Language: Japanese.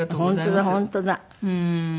本当だ本当だ。